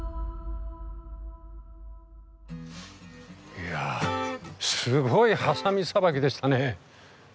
いやすごいハサミさばきでしたね。